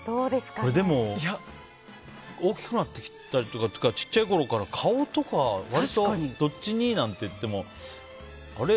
でも、大きくなってきたりちっちゃいころから割と、どっち似なんか言ってもあれ？